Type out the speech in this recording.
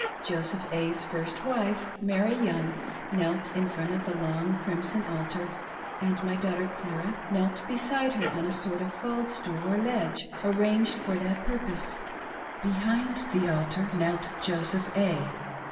Joseph A.'s first wife, Mary Young, knelt in front of the long crimson altar ; and my daughter Clara knelt beside her on a sort of faldstool or ledge, arranged for that purpose. Behind the altar, knelt Joseph A.